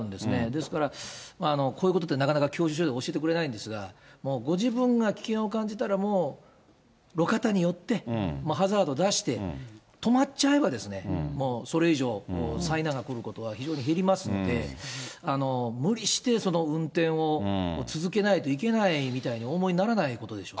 ですから、こういうことってなかなか教習所で教えてくれないんですが、ご自分が危険を感じたら、路肩に寄って、ハザード出して、止まっちゃえばですね、それ以上、災難が来ることは非常に減りますので、無理して、運転を続けないといけないみたいにお思いにならないことでしょう